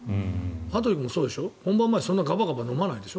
羽鳥君も本番前そんなガバガバ飲まないでしょ？